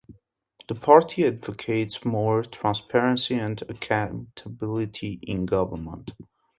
The party advocates more transparency and accountability in government.